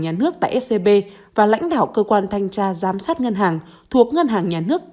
nhà nước tại scb và lãnh đạo cơ quan thanh tra giám sát ngân hàng thuộc ngân hàng nhà nước